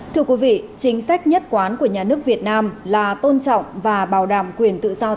thưa quý vị chính sách nhất quán của nhà nước việt nam là tôn trọng và bảo đảm quyền tự do